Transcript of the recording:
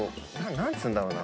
何つうんだろうな？